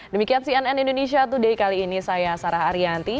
demikian cnn indonesia today kali ini saya sarah arianti